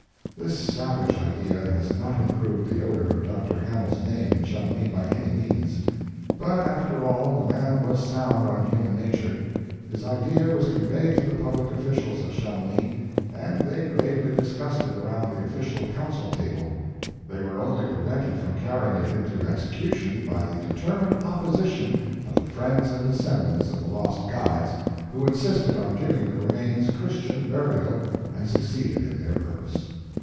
This savage idea has not improved the odor of Dr. Hamel's name in Chamonix by any means. But after all, the man was sound on human nature. His idea was conveyed to the public officials of Chamonix, and they gravely discussed it around the official council table. They were only prevented from carrying it into execution by the determined opposition of the friends and descendants of the lost guides, who insisted on giving the remains Christian burial, and succeeded in their purpose.